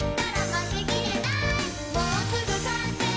「もうすぐかんせい！